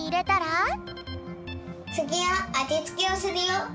つぎはあじつけをするよ。